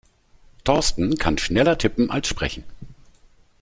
Thorsten kann schneller tippen als sprechen.